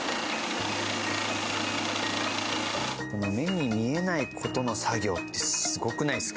目に見えない事の作業ってすごくないっすか？